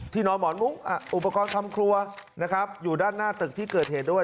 นอนหมอนมุกอุปกรณ์ทำครัวนะครับอยู่ด้านหน้าตึกที่เกิดเหตุด้วย